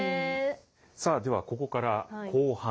さあではここから後半。